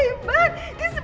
ini luar biasa